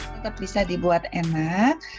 tetap bisa dibuat enak